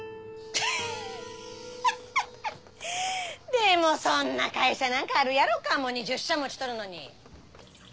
でもそんな会社なんかあるやろかもう２０社も落ちとるのに。